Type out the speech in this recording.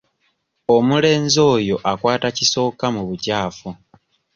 Omulenzi oyo akwata kisooka mu bukyafu.